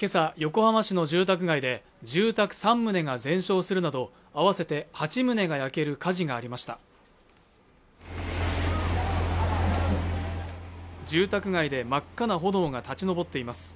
今朝横浜市の住宅街で住宅三棟が全焼するなど合わせて八棟が焼ける火事がありました住宅街で真っ赤な炎が立ち上っています